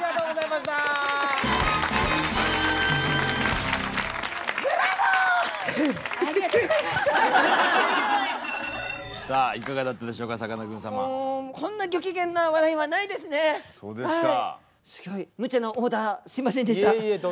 すギョいむちゃなオーダーすいませんでした。